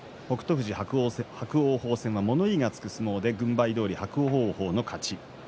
富士、伯桜鵬戦は物言いがつく相撲で軍配どおり伯桜鵬との勝ち。